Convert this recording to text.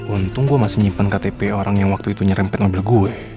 untung gue masih nyimpan ktp orang yang waktu itu nyerempet ngabur gue